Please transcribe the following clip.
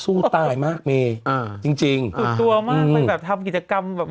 ศูนย์ตายมากนะมีอ่าจริงจริงน่ะท่วมมันแบบทำกิจกรรมแบบ